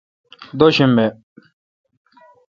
دو شنبہ